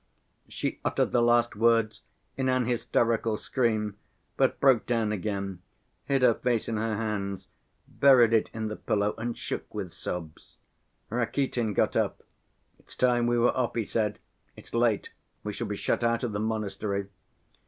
She uttered the last words in an hysterical scream, but broke down again, hid her face in her hands, buried it in the pillow and shook with sobs. Rakitin got up. "It's time we were off," he said, "it's late, we shall be shut out of the monastery."